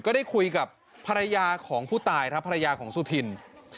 ได้คุยกับภรรยาของผู้ตายครับภรรยาของสุธิน